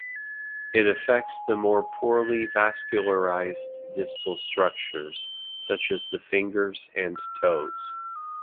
It affects the more poorly vascularized distal structures, such as the fingers and toes.